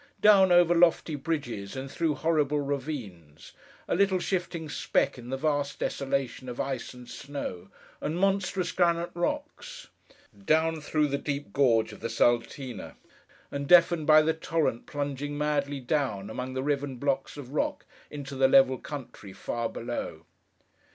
Down, over lofty bridges, and through horrible ravines: a little shifting speck in the vast desolation of ice and snow, and monstrous granite rocks; down through the deep Gorge of the Saltine, and deafened by the torrent plunging madly down, among the riven blocks of rock, into the level country, far below.